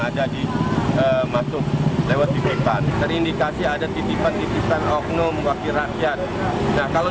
ada di masuk lewat tipe empat terindikasi ada titipan titipan oknum wakil rakyat nah kalau